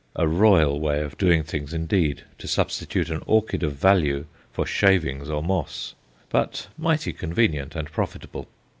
A royal way of doing things indeed to substitute an orchid of value for shavings or moss, but mighty convenient and profitable.